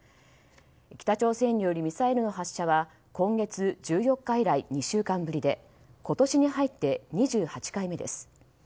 北朝鮮によるミサイルの発射は今月１４日以来２週間ぶりで今年に入って、２８回目です。